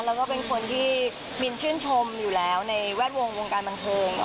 แล้วก็เป็นคนที่บินชื่นชมอยู่แล้วในแวดวงวงการบันเทิง